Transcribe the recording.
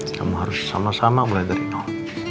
kamu harus sama sama mulai dari nol